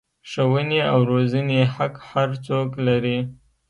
ښوونې او روزنې حق هر څوک لري.